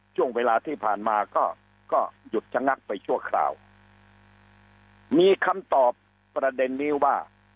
ช่วงเวลาที่ผ่านมาก็ก็หยุดชะงักไปชั่วคราวมีคำตอบประเด็นนี้ว่า